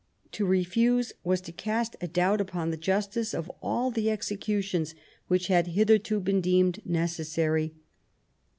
To refuse was to cast a doubt upon the justice of all the executions which had hitherto been deemed necessary.